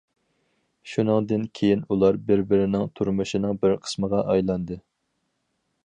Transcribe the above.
شۇنىڭدىن كېيىن، ئۇلار بىر- بىرىنىڭ تۇرمۇشىنىڭ بىر قىسمىغا ئايلاندى.